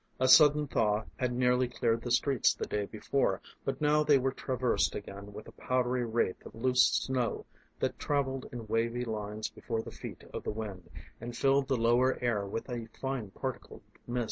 A sudden thaw had nearly cleared the streets the day before, but now they were traversed again with a powdery wraith of loose snow that travelled in wavy lines before the feet of the wind, and filled the lower air with a fine particled mist.